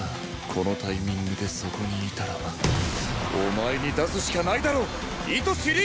このタイミングでそこにいたらお前に出すしかないだろ糸師凛！